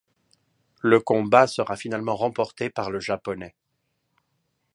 Le combat sera finalement remporté par le Japonais.